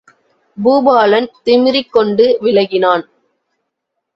பூபாலன் திமிறிக் கொண்டு விலகினான்.